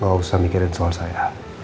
gak usah mikirin sama saya